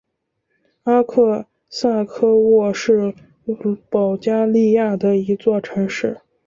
阿克萨科沃是保加利亚的一座城市。